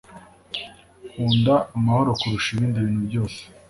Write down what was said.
nkunda amahoro kurusha ibindi bintu byose